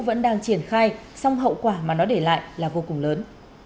vẫn đang triển khai song hậu quả mà nó để lại là vô cùng lớn